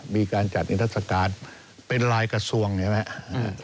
มีการจัดนิทธศกาลเป็นรายกระทรวงอย่างนั้น